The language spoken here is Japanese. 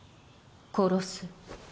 殺す。